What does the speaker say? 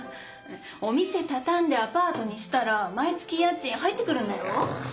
お店たたんでアパートにしたら毎月家賃入ってくるんだよ。